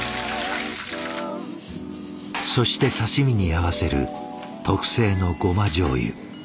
そして刺身に合わせる特製のゴマじょうゆ。